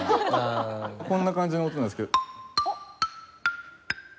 こんな感じの音なんですけど。